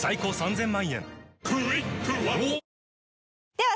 では